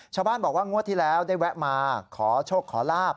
ชาวบ้านบอกว่างวดที่แล้วได้แวะมาขอโชคขอลาบ